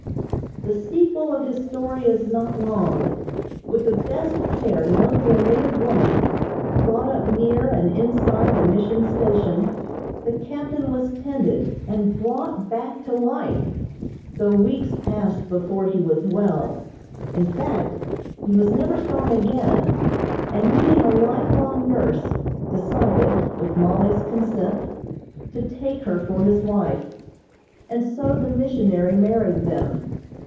The sequel of his story is not long. With the best care known to a native woman, brought up near and inside a Mission station, the captain was tended and brought back to life, though weeks passed before he was well. In fact, he was never strong again, and, needing a life long nurse, decided, with Mollie's consent, to take her for his wife, and so the missionary married them.